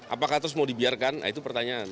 apakah terus mau dibiarkan nah itu pertanyaan